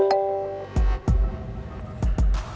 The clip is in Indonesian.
sama gue siapa dia